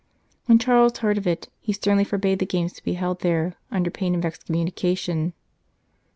When Charles heard of it, he sternly forbade the games to be held there, under pain of excom munication.